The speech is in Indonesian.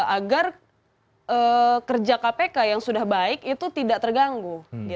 agar kerja kpk yang sudah baik itu tidak terganggu